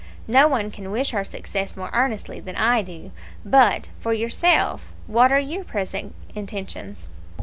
No one can wish her success more earnestly than I do. But for yourself, what are your present intentions?"